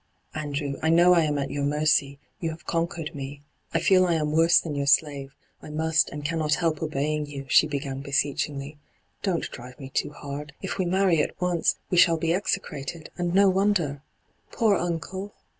' Andrew, I know I am at your mercy ; you have conquered me. I feel I am worse than your slave ; I must and cannot help obeying you,' she began beseechingly, ' Don't drive me too hard. If we marry at once, we shall be execrated, and no wonder I Poor uncle